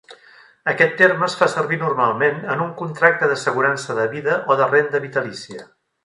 Aquest terme es fa servir normalment en un contracte d'assegurança de vida o de renda vitalícia.